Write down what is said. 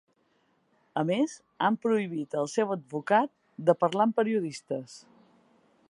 A més, han prohibit al seu advocat de parlar amb periodistes.